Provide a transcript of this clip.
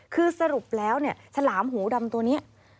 คือสรุปแล้วเนี่ยฉลามหูดำตัวนี้